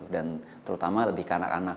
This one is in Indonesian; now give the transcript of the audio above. dan terutama lebih ke anak anak